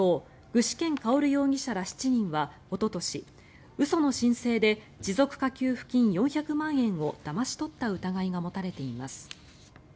具志堅馨容疑者ら７人はおととし嘘の申請で持続化給付金４００万円をだまし取った疑いが持たれています。